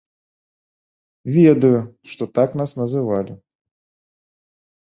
Ведаю, што так нас называлі.